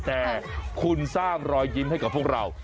แต่คุณสร้างรอยยิ้มให้กับพวกเรา